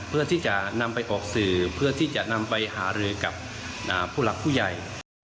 เพื่อที่จะนำไปออกสื่อเพื่อที่จะนำไปหารือกับผู้หลักผู้ใหญ่